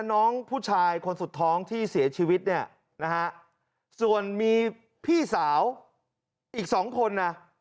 น้องผู้ชายคนสุดท้องที่เสียชีวิตเนี่ยนะฮะส่วนมีพี่สาวอีกสองคนนะ